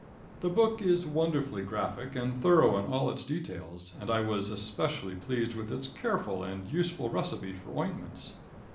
The book is wonderfully graphic and thorough in all its details, and I was especially pleased with its careful and useful recipe for ointments.